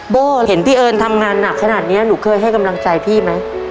โบ้เห็นพี่เอิญทำงานหนักขนาดนี้หนูเคยให้กำลังใจพี่ไหม